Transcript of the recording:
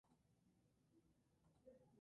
La figura está representada con gran realismo.